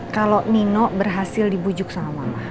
kalau nino berhasil dibujuk sama mama